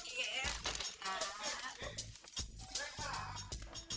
iya aku mau keren kakak